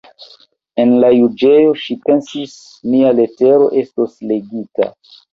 En la juĝejo, ŝi pensis, mia letero estos legita.